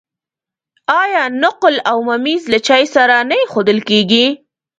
آیا نقل او ممیز له چای سره نه ایښودل کیږي؟